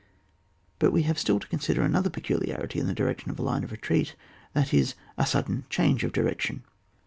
But we have still to consider another peculiarity in the direction of such a line of retreat, that is, a sudden change of direc tion.